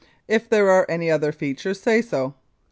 If there are any other features say so.